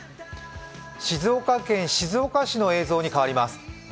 静岡県静岡市の映像に替わります。